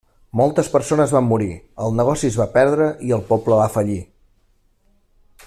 Moltes persones van morir, el negoci es va perdre, i el poble va fallir.